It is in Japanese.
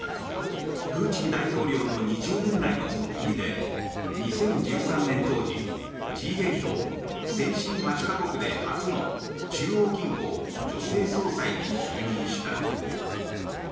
プーチン大統領の２０年来の側近で２０１３年当時Ｇ８・先進８か国で初の中央銀行女性総裁に就任した。